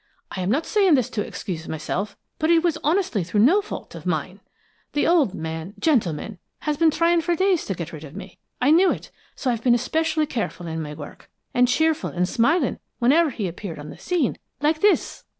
I'm not saying this to excuse myself, but it was honestly through no fault of mine. The old man gentleman has been trying for days to get rid of me. I knew it, so I've been especially careful in my work, and cheerful and smiling whenever he appeared on the scene like this!"